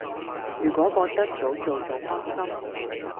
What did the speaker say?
如果覺得早做早安心